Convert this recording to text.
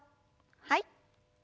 はい。